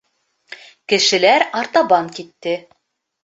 Кешеләр артабан китте.